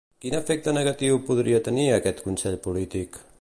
Quin efecte negatiu podria tenir aquest consell polític?